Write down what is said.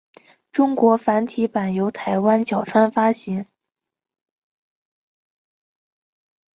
中文繁体版由台湾角川发行。